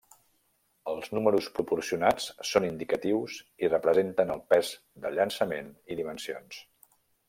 Els números proporcionats són indicatius i representen el pes de llançament i dimensions.